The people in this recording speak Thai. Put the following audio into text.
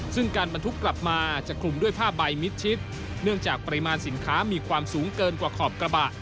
ซึ่งการบรรทุกกลับมาจะคลุมด้วยผ้าใบมิดชิดเนื่องจากปริมาณสินค้ามีความสูงเกินกว่าขอบกระบะ